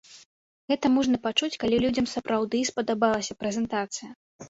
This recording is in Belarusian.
Гэта можна пачуць, калі людзям сапраўды спадабалася прэзентацыя!